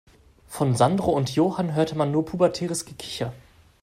Von Sandro und Johann hörte man nur pubertäres Gekicher.